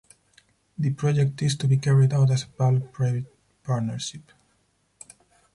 The project is to be carried out as a public-private partnership.